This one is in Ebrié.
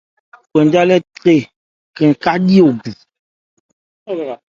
Khwɛn ntrályɛ́ khwre khɛ́n ácí ogu.